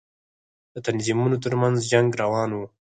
د تنظيمونو تر منځ جنگ روان و.